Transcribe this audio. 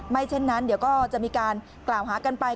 เช่นนั้นเดี๋ยวก็จะมีการกล่าวหากันไป